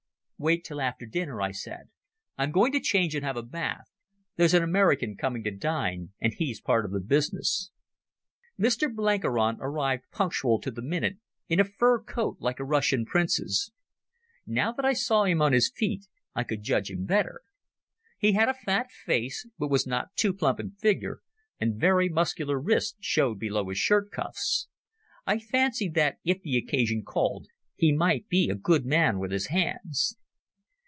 "Wait till after dinner," I said. "I'm going to change and have a bath. There's an American coming to dine, and he's part of the business." Mr Blenkiron arrived punctual to the minute in a fur coat like a Russian prince's. Now that I saw him on his feet I could judge him better. He had a fat face, but was not too plump in figure, and very muscular wrists showed below his shirt cuffs. I fancied that, if the occasion called, he might be a good man with his hands.